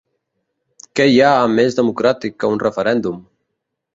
Què hi ha més democràtic que un referèndum?